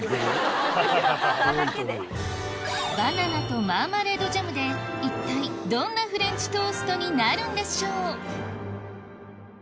バナナとマーマレードジャムで一体どんなフレンチトーストになるんでしょう？